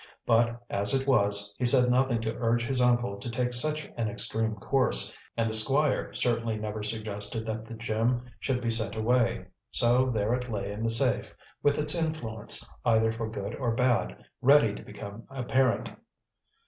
But, as it was, he said nothing to urge his uncle to take such an extreme course, and the Squire certainly never suggested that the gem should be sent away. So there it lay in the safe, with its influence, either for good or bad, ready to become apparent.